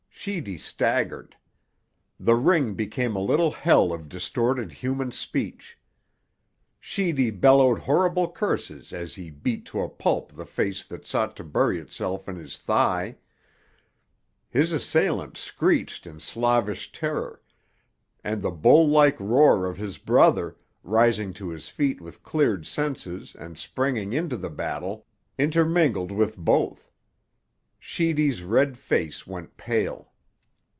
Sheedy staggered. The ring became a little hell of distorted human speech. Sheedy bellowed horrible curses as he beat to a pulp the face that sought to bury itself in his thigh; his assailant screeched in Slavish terror; and the bull like roar of his brother, rising to his feet with cleared senses and springing into the battle, intermingled with both. Sheedy's red face went pale.